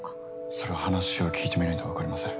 それは話を聞いてみないとわかりません。